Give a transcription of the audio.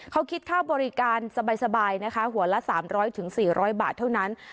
เขาคิดค่าบริการสบายนะคะหัวละ๓๐๐๔๐๐บาทเท่านั้น